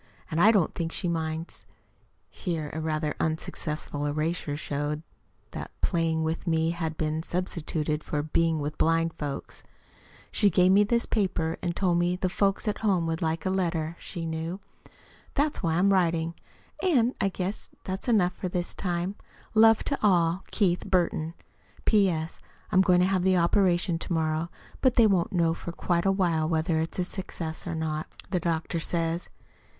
And I don't think she minds (here a rather unsuccessful erasure showed that "playing with me" had been substituted for "being with blind folks"). She gave me this paper, and told me the folks at home would like a letter, she knew. That's why I'm writing it. And I guess that's enough for this time. Love to all. KEITH BURTON P.S. I'm going to have the operation to morrow, but they won't know for quite a while whether it's successful or not, the doctor says.